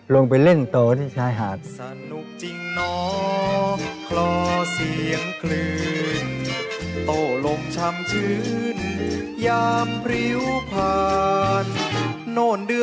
ลงไปเล่นต่อที่ชายหาด